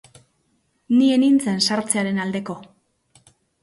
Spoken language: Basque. Ni ez nintzen sartzearen aldeko.